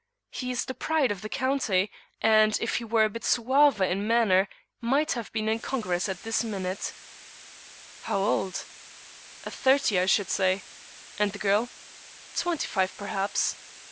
He is the pride of the county, and if he were a bit suaver in manner might have been in Congress at this minute." "How old?" "Thirty, I should say." "And the girl?" "Twenty five, perhaps."